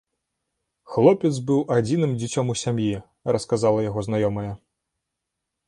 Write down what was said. Хлопец быў адзіным дзіцём у сям'і, расказала яго знаёмая.